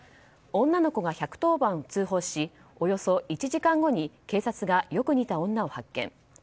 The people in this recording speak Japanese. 女の子が１１０番通報しおよそ１時間後に警察がよく似た女を発見。